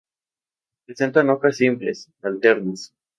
Presentan hojas simples, alternas.